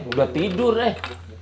sudah tidur eh